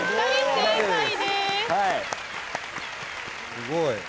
すごい。